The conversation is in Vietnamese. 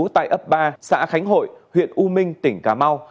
tại ấp ba xã khánh hội huyện u minh tỉnh cà mau